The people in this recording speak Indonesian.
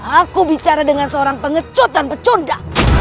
aku bicara dengan seorang pengecut dan pecunda